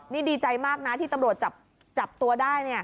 นี่ดีใจมากนะที่ตำรวจจับตัวได้